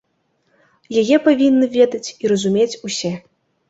Яе павінны ведаць і разумець усе.